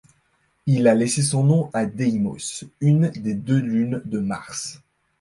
Il a laissé son nom à Déimos, une des deux lunes de Mars.